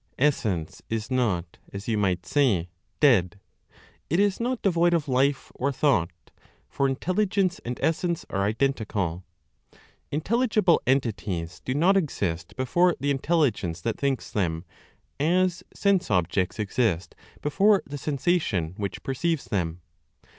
Essence is not, as you might say, dead; it is not devoid of life or thought; for intelligence and essence are identical. Intelligible entities do not exist before the intelligence that thinks them, as sense objects exist before the sensation which perceives them.